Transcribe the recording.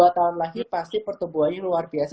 dua tahun lahir pasti pertumbuhannya luar biasa